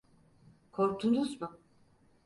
Korktunuz mu?